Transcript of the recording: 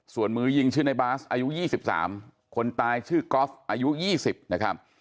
ส่วนมือยิงชื่อในบาร์สอายุยี่สิบสามคนตายชื่อกอล์ฟอายุยี่สิบนะครับ